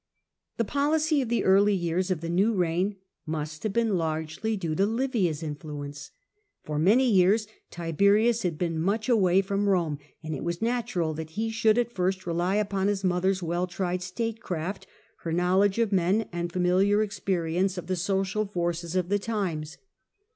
The policy of the early years of the new reign must have been largely due to Livia's influence. For many ^ years Tiberius had been much away from influence of Rome, and \t was natural that he should at first rely upon his mother's well tried state craft, her knowledge of men and familiar experience of the A.D. 14 37. Tiberius, 49 social forces of the times.